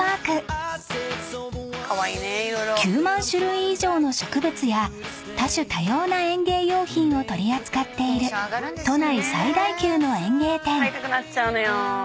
［９万種類以上の植物や多種多様な園芸用品を取り扱っている都内最大級の園芸店］